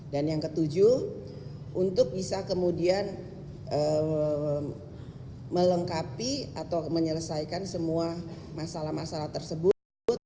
dan yang ketujuh untuk bisa kemudian melengkapi atau menyelesaikan semua masalah masalah tersebut